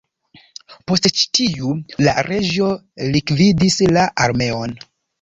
Post ĉi tio, la reĝo likvidis la armeon.